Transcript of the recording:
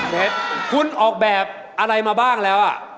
เพชรคุณออกแบบอะไรมาบ้างแล้ว